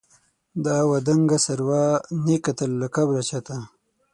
دا وه دنګه سروه، نې کتل له کبره چاته